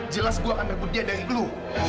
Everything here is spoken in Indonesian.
jelas gue akan ngambil dia dari lu